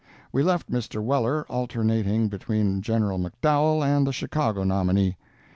We left Mr. Weller alternating between General McDowell and the Chicago nominee.